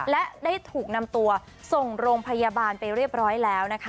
และได้ถูกนำตัวส่งโรงพยาบาลไปเรียบร้อยแล้วนะคะ